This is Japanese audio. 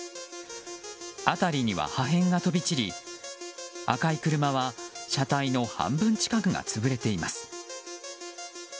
辺りには破片が飛び散り赤い車は車体の半分近くが潰れています。